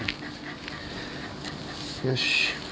よし。